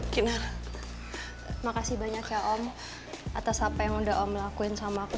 cuma makasih banyak ya om atas apa yang udah om lakuin sama aku